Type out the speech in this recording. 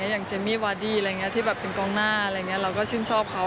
อย่างเจมมี่วาดี้ที่เป็นกองหน้าเราก็ชินชอบเขา